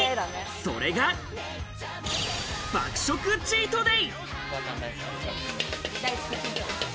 それが爆食チートデイ！